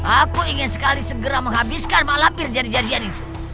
aku ingin segera menghabiskan mak lampir jadian jadian itu